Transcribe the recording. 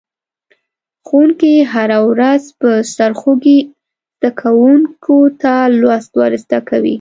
ښوونکی هره ورځ په سرخوږي زده کونکو ته لوست ور زده کوي.